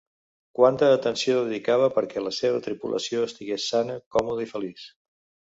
Quanta atenció dedicava perquè la seva tripulació estigués sana, còmoda i feliç!